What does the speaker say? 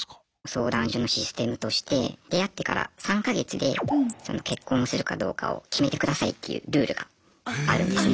相談所のシステムとして出会ってから３か月で結婚するかどうかを決めてくださいっていうルールがあるんですね。